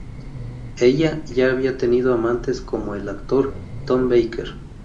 Ella ya había tenido amantes, como el actor Tom Baker.